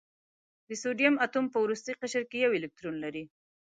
د سوډیم اتوم په وروستي قشر کې یو الکترون لري.